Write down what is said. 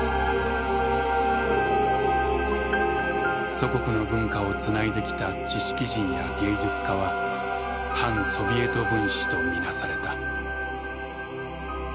祖国の文化をつないできた知識人や芸術家は「反ソビエト分子」と見なされた。